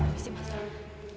terima kasih mas